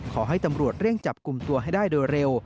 ขอให้ตำรวจเร่งจับกลุ่มตัวให้ได้โดยเร็ว